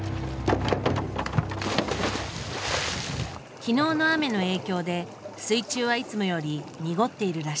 昨日の雨の影響で水中はいつもより濁っているらしい。